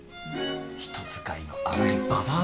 人使いの荒いババアだね。